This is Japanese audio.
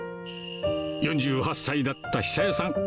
４８歳だった寿代さん。